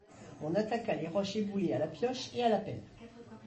On attaqua les roches éboulées à la pioche et à la pelle.